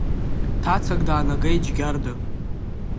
Ҭацак даанагеит Џьгьарда.